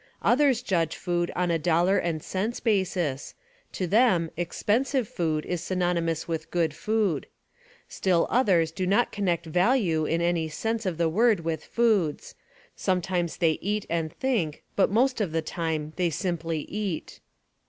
Others judge food on a dollar and cents basis; to them expensive food is synonymous with good food. Still others do not connect "value" in any sense of the word with foods; sometimes they eat and think, but most of the time they simply eat.